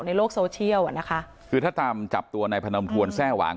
ในโลกโซเชียลอ่ะนะคะคือถ้าตามจับตัวในพนมทวนแทร่หวาง